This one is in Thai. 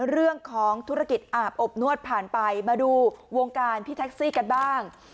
เรื่องของธุรกิจอาบอบนวดผ่านไปมาดูวงการพี่แท็กซี่กันบ้าง